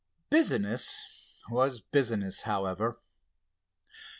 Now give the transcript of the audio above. Business was business, however.